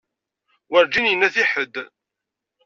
Werǧin yenna-t i ḥedd.